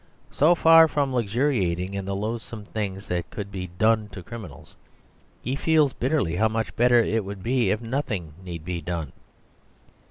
So far from luxuriating in the loathsome things that could be "done" to criminals, he feels bitterly how much better it would be if nothing need be done.